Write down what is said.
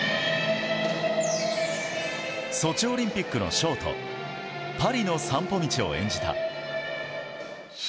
ソチオリンピックのショート「パリの散歩道」を演じた。